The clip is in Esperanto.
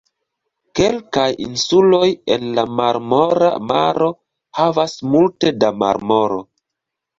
Kelkaj insuloj en la Marmora Maro havas multe da marmoro.